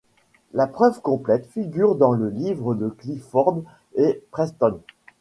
La preuve complète figure dans le livre de Clifford et Preston.